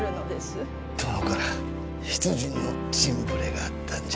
殿から出陣の陣触れがあったんじゃ。